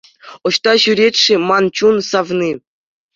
Ӑҫта ҫӳрет-ши ман чун савни?